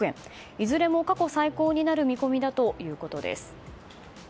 いずれも過去最高になる見込みだということです。